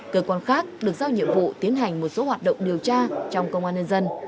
cơ quan khác được giao nhiệm vụ tiến hành một số hoạt động điều tra trong công an nhân dân